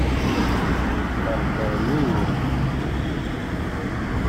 Ferseɣ yiwet.